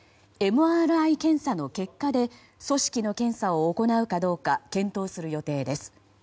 ＭＲＩ検査の結果で組織の検査を行うかどうか検討する予定です。